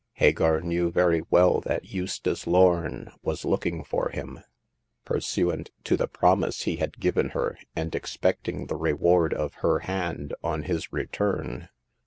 Hagar knew very well that Eustace Lorn was looking for him. Pursuant to the promise he had given her, and expecting the reward of her hand on his return.